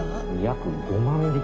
約５万匹。